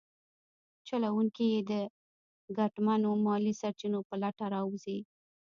چلونکي یې د ګټمنو مالي سرچینو په لټه راوځي.